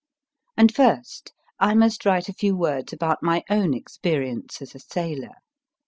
And first, I must write a few words about my own experience as a sailor.